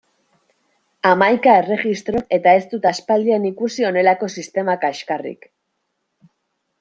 Hamaika erregistro eta ez dut aspaldian ikusi honelako sistema kaxkarrik!